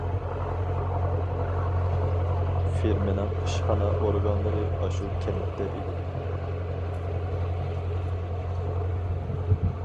فېرمىنىڭ ئىشخانا ئورگانلىرى ئاشۇ كەنتتە ئىدى.